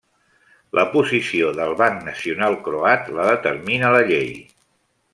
La posició del Banc Nacional Croat la determina la llei.